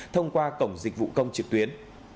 thông qua cổng dịch vụ công trực tuyến